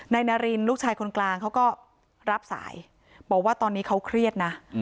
นายนารินลูกชายคนกลางเขาก็รับสายบอกว่าตอนนี้เขาเครียดนะ